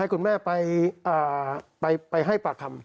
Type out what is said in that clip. คุณแม่ไปให้ปากคำ